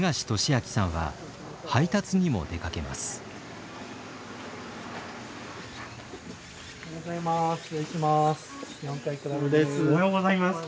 おはようございます。